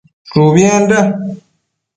Shubienda